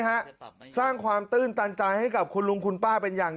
ฮะสร้างความตื้นตันใจให้กับคุณลุงคุณป้าเป็นอย่าง